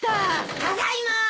ただいま！